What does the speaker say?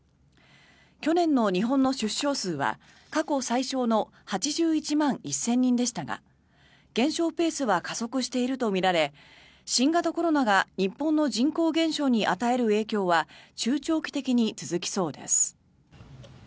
去年の日本の出生数は過去最少の８１万１０００人でしたが減少ペースは加速しているとみられ新型コロナが日本の人口減少に与える影響は中長期的に続きそうです。